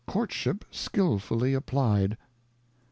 Courtship skilfully applied.